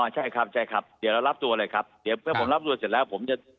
ใช่ครับใช่ครับเดี๋ยวเรารับตัวเลยครับเดี๋ยวเมื่อผมรับตัวเสร็จแล้วผมจะ